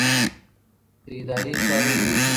د ادارې چارې يې وېشلې وې.